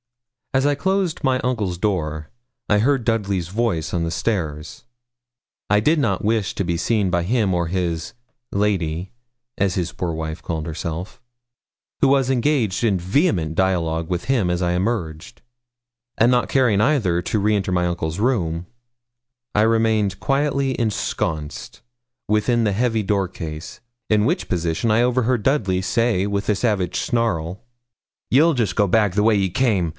As I closed my uncle's door, I heard Dudley's voice on the stairs. I did not wish to be seen by him or by his 'lady', as his poor wife called herself, who was engaged in vehement dialogue with him as I emerged, and not caring either to re enter my uncle's room, I remained quietly ensconced within the heavy door case, in which position I overheard Dudley say with a savage snarl 'You'll jest go back the way ye came.